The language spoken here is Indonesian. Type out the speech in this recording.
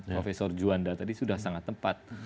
profesor juanda tadi sudah sangat tepat